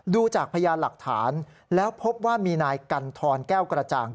ดูจากพยานหลักฐานแล้วพบว่ามีนายกันทรแก้วกระจ่าง